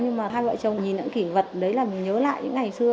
nhưng mà hai vợ chồng nhìn những kỷ vật đấy là mình nhớ lại những ngày xưa